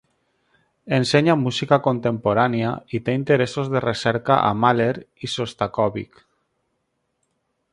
Ensenya música contemporània i té interessos de recerca a Mahler i Shostakovich.